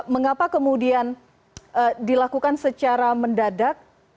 mengapa kemudian dilakukan secara mendadak